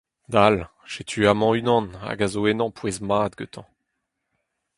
Dal ! setu amañ unan hag a zo ennañ pouez mat gantañ.